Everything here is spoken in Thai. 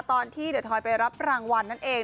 ตอนที่เดอทอยไปรับรางวัลนั่นเอง